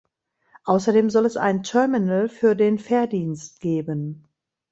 Außerdem soll es ein Terminal für den Fährdienst geben.